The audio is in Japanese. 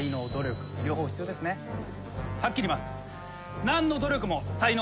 はっきり言います。